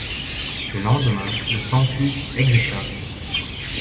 Le lendemain, le temps fut exécrable.